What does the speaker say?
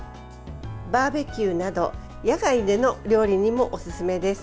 バーベキューなど野外での料理にもおすすめです。